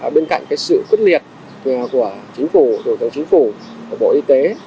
bên cạnh sự quyết liệt của chính phủ thủ tướng chính phủ bộ y tế